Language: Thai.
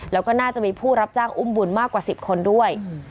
แล้วก็น่าจะมีผู้รับจ้างอุ้มบุญมากกว่า๑๐คนด้วย